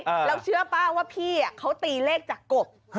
แล้วเชื่อป่ะว่าพี่เขาตีเลขจากกบ